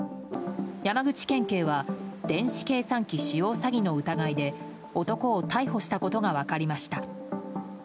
山口県警は電子計算機使用詐欺の疑いで男を逮捕したことが分かりました。